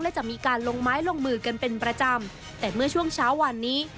และจะมีการลงไม้ลงมือกันเป็นประจำแต่เมื่อช่วงเช้าวันนี้